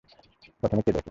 প্রথম কে দেখে?